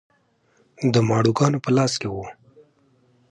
د ماڼوګانو په لاس کې و.